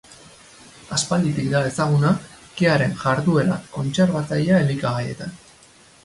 Aspalditik da ezaguna kearen jarduera kontserbatzailea elikagaietan.